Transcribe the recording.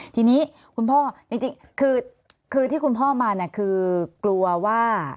ทีนี้คุณพ่อจริงคือที่คุณพ่อมาเนี่ยคือกลัวว่า